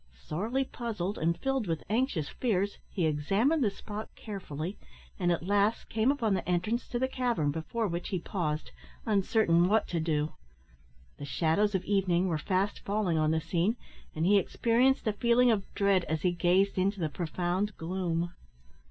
Sorely puzzled, and filled with anxious fears, he examined the spot carefully, and at last came upon the entrance to the cavern, before which he paused, uncertain what to do. The shadows of evening were fast falling on the scene, and he experienced a feeling of dread as he gazed into the profound gloom.